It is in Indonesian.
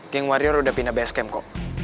gang warrior udah pindah basecamp kok